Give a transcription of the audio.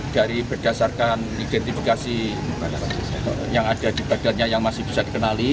dari berdasarkan identifikasi yang ada di badannya yang masih bisa dikenali